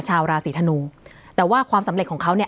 ชาวราศีธนูแต่ว่าความสำเร็จของเขาเนี่ย